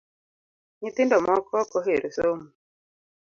Nyithindo moko ok ohero somo